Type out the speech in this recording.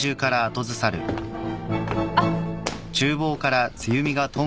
あっ！